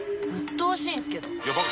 うっとうしいんすけど。